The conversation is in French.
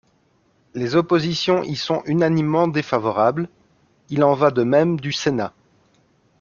Les oppositions y sont unanimement défavorables ; il en va de même du Sénat.